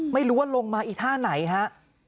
ไม่รู้ว่าลงมาอีท่าไหนฮะ